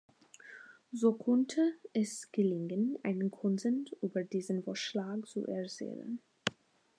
So konnte es gelingen, einen Konsens über diesen Vorschlag zu erzielen.